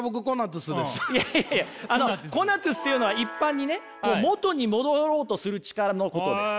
いやいやコナトゥスというのは一般に元に戻ろうとする力のことです。